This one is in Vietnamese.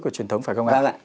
của truyền thống phải không ạ